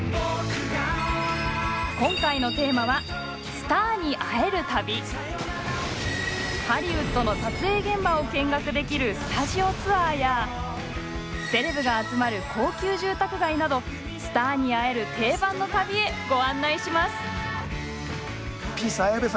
今回のテーマはハリウッドの撮影現場を見学できるスタジオツアーやセレブが集まる高級住宅街などスターに会える定番の旅へご案内します。